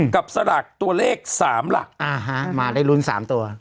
กับสลักตัวเลข๓หลักอ่าฮะมาได้รุน๓ตัว